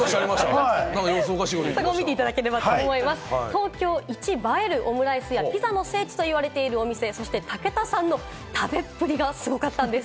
東京イチ映えるオムライスやピザの聖地と言われているお店、そして武田さんの食べっぷりがすごかったんです。